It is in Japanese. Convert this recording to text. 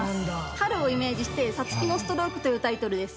春をイメージして『皐月のストローク』というタイトルです。